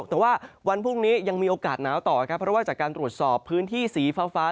แต่ว่าวันพรุ่งนี้ยังมีโอกาสหนาวต่อครับเพราะว่าจากการตรวจสอบพื้นที่สีฟ้า